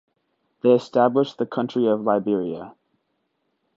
They established the country of Liberia.